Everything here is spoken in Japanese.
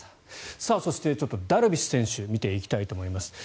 そして、ダルビッシュ選手見ていきたいと思います。